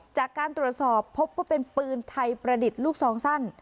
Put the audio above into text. จากการตรวจสอบพบว่าเป็นปืนไทยประดิษฐ์ลูกซองสั้น